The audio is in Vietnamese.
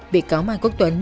bị cáo mai quốc tuấn